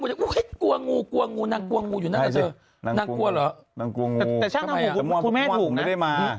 ไม่ได้กลัวคุณแม่มาเนอะ